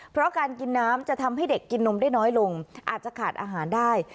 เพราะการกินน้ำจะทำให้เด็กกินนมได้น้อยลงอาจจะขาดอาหารได้